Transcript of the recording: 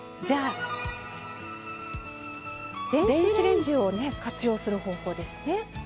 電子レンジを活用する方法ですね。